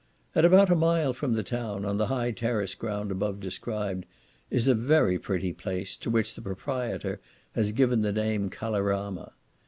At about a mile from the town, on the high terrace ground above described, is a very pretty place, to which the proprietor has given the name Kaleirama.